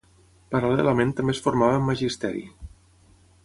Paral·lelament també es formava en magisteri.